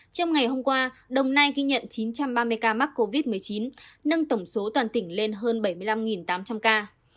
trong ngày hôm qua đồng nai ghi nhận chín trăm ba mươi ca mắc covid một mươi chín nâng tổng số toàn tỉnh lên hơn bảy mươi năm tám trăm linh ca